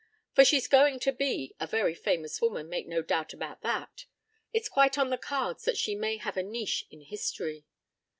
"For she's going to be a very famous woman, make no doubt about that. It's quite on the cards that she may have a niche in history.